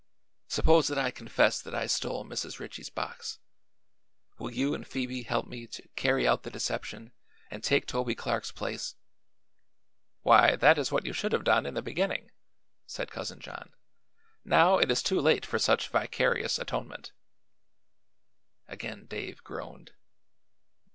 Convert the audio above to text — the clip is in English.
Suppose that I confess that I stole Mrs. Ritchie's box; will you and Phoebe help me to carry out the deception and take Toby Clark's place?" "Why, that is what you should have done in the beginning," said Cousin John. "Now it is too late for such vicarious atonement." Again Dave groaned.